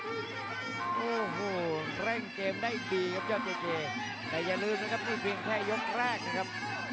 โอ้โหเร่งเกมได้ดีครับยอดเจเกแต่อย่าลืมนะครับนี่เพียงแค่ยกแรกนะครับ